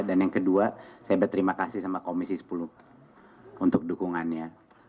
dan yang kedua saya berterima kasih kepada komisi sepuluh dpr ri untuk dukungannya